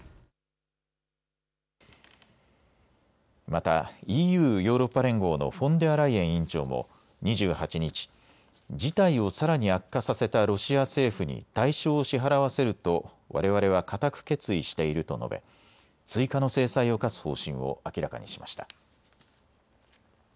またＥＵ・ヨーロッパ連合のフォンデアライエン委員長も２８日、事態をさらに悪化させたロシア政府に代償を支払わせるとわれわれは固く決意していると述べ、追加の制裁を科す方針を明らかにしました。